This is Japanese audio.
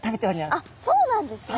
あっそうなんですね。